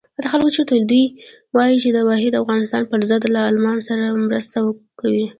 دوی وایي چې د واحد افغانستان پر ضد له ارمان سره مرسته کوي.